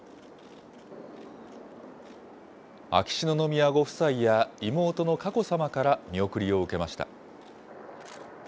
秋篠宮ご夫妻や妹の佳子さまから見送りを受けました。